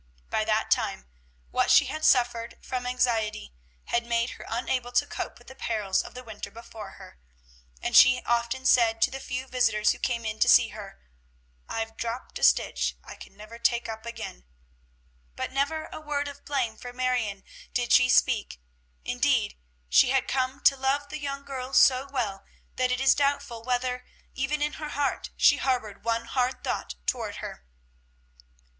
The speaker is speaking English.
By that time, what she had suffered from anxiety had made her unable to cope with the perils of the winter before her, and she often said to the few visitors who came in to see her, "I've dropped a stitch I can never take up again," but never a word of blame for Marion did she speak; indeed, she had come to love the young girl so well, that it is doubtful whether, even in her heart, she harbored one hard thought toward her.